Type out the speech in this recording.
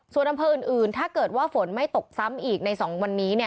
ส่วนอำเภออื่นถ้าเกิดว่าฝนไม่ตกซ้ำอีกใน๒วันนี้